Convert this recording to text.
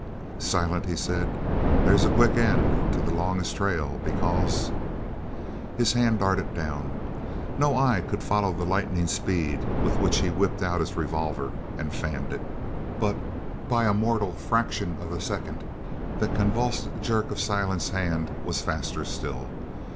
"Silent," he said, "there's a quick end to the longest trail, because " His hand darted down. No eye could follow the lightning speed with which he whipped out his revolver and fanned it, but by a mortal fraction of a second the convulsive jerk of Silent's hand was faster still.